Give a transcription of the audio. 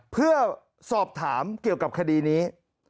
เพื่อสอบถามเกี่ยวกับคดีนี้